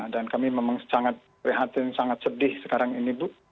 dan kami memang sangat prihatin sangat sedih sekarang ini bu